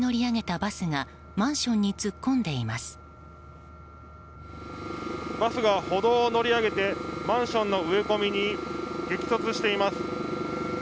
バスが歩道を乗り上げてマンションの植え込みに激突しています。